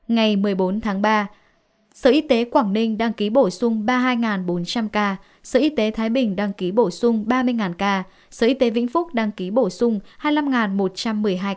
ngày một mươi bốn tháng ba sở y tế quảng ninh đăng ký bổ sung ba mươi hai bốn trăm linh ca sở y tế thái bình đăng ký bổ sung ba mươi ca sở y tế vĩnh phúc đăng ký bổ sung hai mươi năm một trăm một mươi hai ca